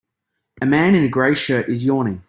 A man in a gray shirt is yawning.